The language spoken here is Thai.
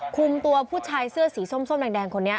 คุมตัวผู้ชายเสื้อสีส้มแดงคนนี้